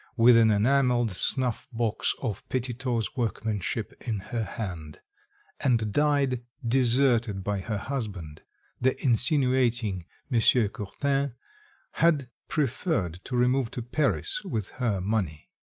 with an enamelled snuff box of Petitot's workmanship in her hand and died, deserted by her husband; the insinuating M. Courtin had preferred to remove to Paris with her money.